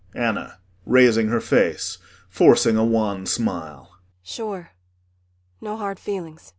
ANNA [Raising her face forcing a wan smile.